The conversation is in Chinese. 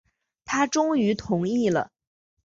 他终于同意了